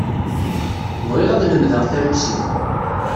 Bɣiɣ ad lemdeɣ tarusit.